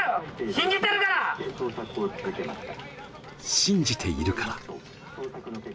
信じているから。